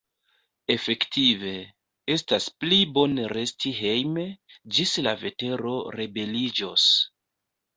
Efektive, estas pli bone resti hejme, ĝis la vetero rebeliĝos.